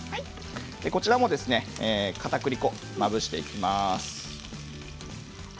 こちらも、かたくり粉をまぶしていきます。